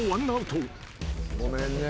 ごめんね。